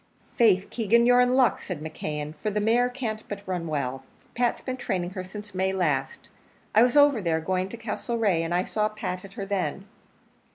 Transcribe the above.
"Faith, Keegan, you're in luck," said McKeon, "for the mare can't but run well. Pat's been training her since May last. I was over there going to Castlereagh, and I saw Pat at her then."